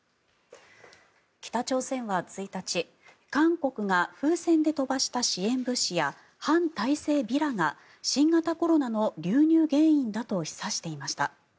北朝鮮は１日韓国が風船で飛ばした支援物資や反体制ビラが新型コロナの流入原因だと示唆していました。